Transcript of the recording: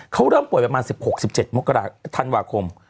เขาเริ่มป่วยประมาณ๑๖๑๗มกราธันวาคม